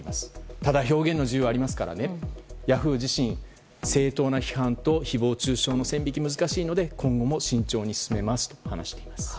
ただ、表現の自由はありますからヤフー自身、正当な批判と誹謗中傷の線引きが難しいので今後も慎重に進めますと話しています。